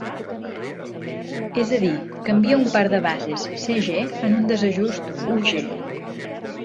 És a dir, canvia un par de bases C:G en un desajust U:G.